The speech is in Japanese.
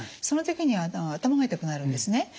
その時には頭が痛くなるんですね。